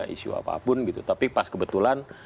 isu apapun gitu tapi pas kebetulan